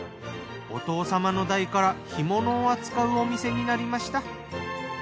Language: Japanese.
お父様の代から干物を扱うお店になりました。